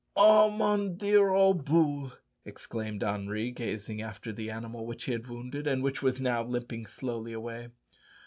"Ah, mon dear ole bull!" exclaimed Henri, gazing after the animal which he had wounded, and which was now limping slowly away.